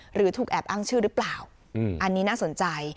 หรือถูกแอบอ้างชื่อหรือเปล่าอันนี้น่าสนใจ